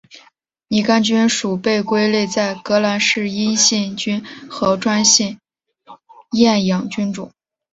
拟杆菌属被归类在革兰氏阴性菌和专性厌氧菌中。